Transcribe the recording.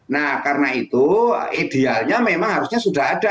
nah karena itu idealnya memang harusnya sudah ada